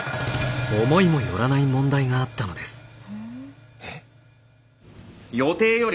思いもよらない問題があったのです。